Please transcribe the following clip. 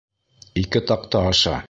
Ике таҡта аша.